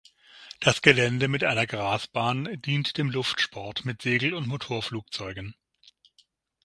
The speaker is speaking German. Das Gelände mit einer Grasbahn dient dem Luftsport mit Segel- und Motorflugzeugen.